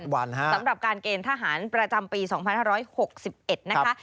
สำหรับการเกณฑ์ทหารประจำปี๒๕๖๑นะคะ